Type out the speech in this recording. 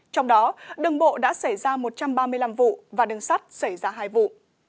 trong đó đường bộ đã xảy ra một trăm ba mươi năm vụ và đường sắt xảy ra hai vụ